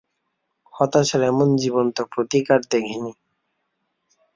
হতাশার এমন জীবন্ত প্রতীক আর দেখিনি।